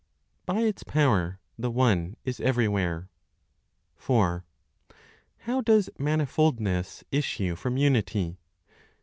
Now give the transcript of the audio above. BY ITS POWER, THE ONE IS EVERYWHERE. 4. How does manifoldness issue from Unity?